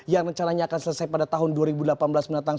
yang rencananya akan selesai pada tahun dua ribu delapan belas mendatang